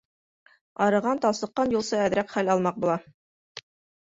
Арыған-талсыҡҡан юлсы әҙерәк хәл алмаҡ була.